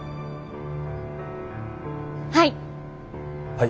はい！